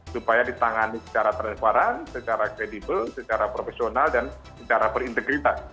supaya ditangani secara transparan secara kredibel secara profesional dan secara berintegritas